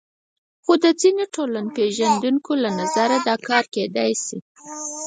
خو د ځینو ټولنپېژندونکو له نظره دا کار کېدای شي.